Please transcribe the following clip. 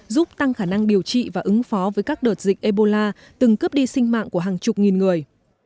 giúp tăng khả năng điều trị và ứng phó với các đợt dịch ebola từng cướp đi sinh mạng của hàng chục nghìn người